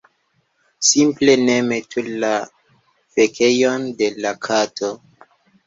simple ne metu la fekejon de la kato